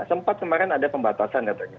sempat kemarin ada pembatasan katanya